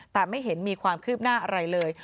แต่ไม่เห็นมีความคืบหน้าอะไรเลย